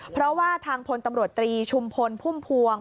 เพราะว่าทางภนตำรวจตชุมพลภูมิภวง